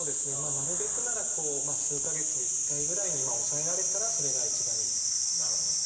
なるべくなら数か月に１回ぐらいに抑えられたらそれが一番いいとなるほど。